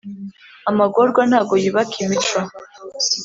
amagorwa ntabwo yubaka imico,